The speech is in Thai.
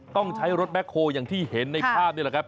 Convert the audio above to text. ต้องใช้รถแบ็คโฮอย่างที่เห็นในภาพนี่แหละครับ